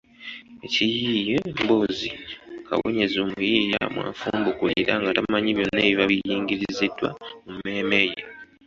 Ekiyiiye mboozi kawonyeza omuyiiya mw’afumbukulira nga tamanyi byonna ebiba binyigiriziddwa mu mmeeme ye